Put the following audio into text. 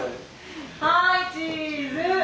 はいチーズ！